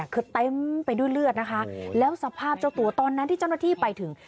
คือเต็มไปด้วยเลือดนะคะแล้วสภาพเจ้าตัวตอนนั้นที่เจ้าหน้าที่ไปถึง